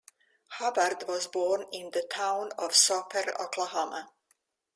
Hubbard was born in the town of Soper, Oklahoma.